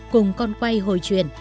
cùng con quay hồi chuyển